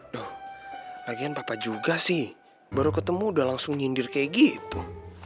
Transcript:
doh agen papa juga sih baru ketemu udah langsung nyindir kayak gitu